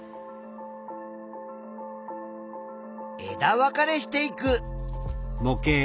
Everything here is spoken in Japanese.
枝分かれしていく。